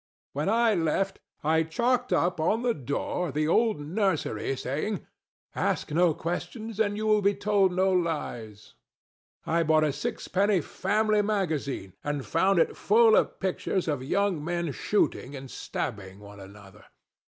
When I left I chalked up on the door the old nursery saying "Ask no questions and you will be told no lies." I bought a sixpenny family magazine, and found it full of pictures of young men shooting and stabbing one another.